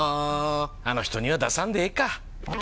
あの人には出さんでええか。